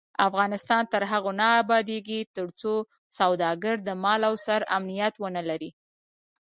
افغانستان تر هغو نه ابادیږي، ترڅو سوداګر د مال او سر امنیت ونلري.